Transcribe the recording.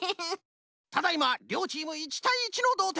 ただいまりょうチーム１たい１のどうてん！